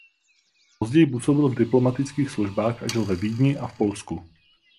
Později působil v diplomatických službách a žil ve Vídni a v Polsku.